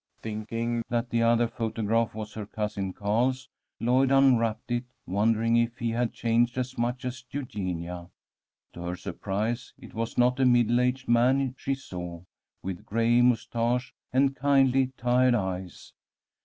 Thinking that the other photograph was her cousin Carl's, Lloyd unwrapped it, wondering if he had changed as much as Eugenia. To her surprise, it was not a middle aged man she saw, with gray moustache and kindly tired eyes.